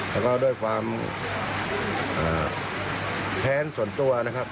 แล้วก็ด้วยความแค้นส่วนตัวนะครับ